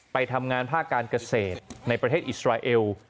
ไปทำงานภาคการเกษตรในประเทศอิสราเอล